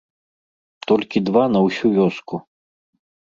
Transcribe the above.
Толькі два на ўсю вёску.